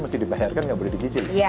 mesti dibayarkan nggak boleh dicicil